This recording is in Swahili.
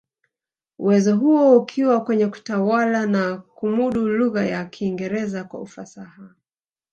Uwezo huo ukiwa kwenye kutawala na kumudu lugha ya Kiingereza kwa ufasaha